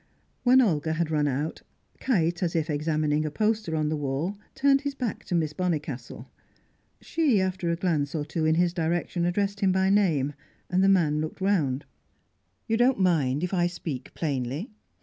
When Olga had run out, Kite, as if examining a poster on the wall, turned his back to Miss Bonnicastle. She, after a glance or two in his direction, addressed him by name, and the man looked round. "You don't mind if I speak plainly?"